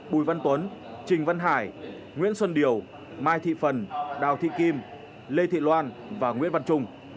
bùi văn tuấn trình văn hải nguyễn xuân điều mai thị phần đào thị kim lê thị loan và nguyễn văn trung